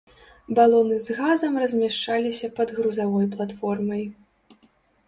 Балоны з газам размяшчаліся пад грузавой платформай.